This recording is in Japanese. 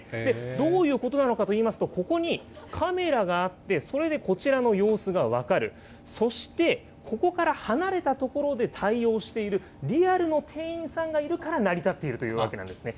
どういうことなのかといいますと、ここにカメラがあって、それでこちらの様子が分かる、そしてここから離れた所で対応しているリアルの店員さんがいるから成り立っているというわけなんですね。